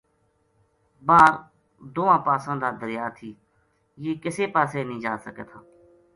باہر دواں پاساں دا دریا تھی یہ کِسے پاسے نیہہ جا سکے تھا